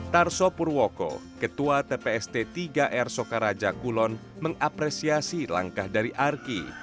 tarso purwoko ketua tpst tiga r sokaraja kulon mengapresiasi langkah dari arki